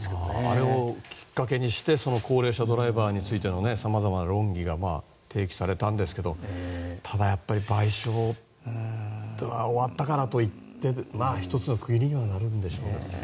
あれをきっかけにして高齢者ドライバーについてのさまざまな論議が提起されたんですがただやっぱり賠償というのは終わったからといって１つの区切りにはなるんでしょうけど。